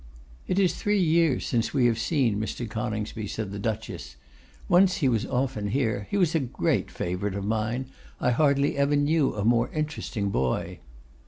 'It is three years since we have seen Mr. Coningsby,' said the Duchess. 'Once he was often here. He was a great favourite of mine. I hardly ever knew a more interesting boy.